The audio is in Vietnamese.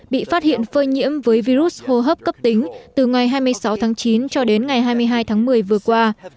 bị phát hiện phơi nhiễm với virus hô hấp cấp tính từ ngày hai mươi sáu tháng chín cho đến ngày hai mươi hai tháng một mươi vừa qua